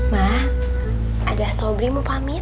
ma ada sobri mau pamit